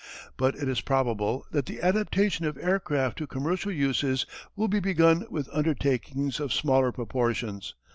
But it is probable that the adaptation of aircraft to commercial uses will be begun with undertakings of smaller proportions.